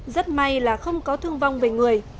rất may là không có thương vong về người